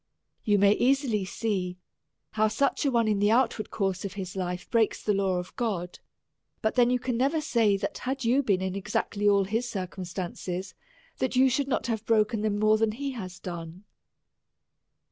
You may easily see how such a one, in the outward course of his life, breaks the law of God ; but then you can never say, that had you been exactly in all his circumstances, that you should not have broken them more than he has done.